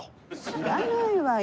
知らないわよ。